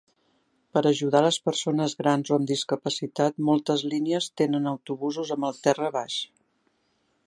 Per ajudar les persones grans o amb discapacitat, moltes línies tenen autobusos amb el terra baix.